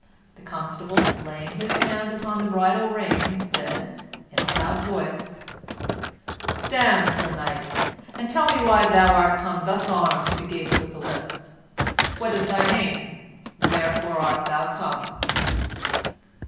The Constable, laying his hand upon the bridle rein, said, in a loud voice: "Stand, Sir Knight, and tell me why thou art come thus armed to the gates of the lists. What is thy name? Wherefore art thou come?"